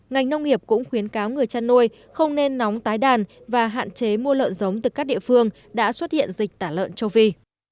ngành nông nghiệp cũng khuyến cáo người chăn nuôi không nên nóng tái đàn và hạn chế mua lợn giống từ các địa phương đã xuất hiện dịch tả lợn châu phi